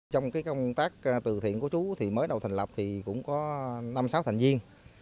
trong công tác từ thiện của chú mới đầu thành lập cũng có năm sáu thành viên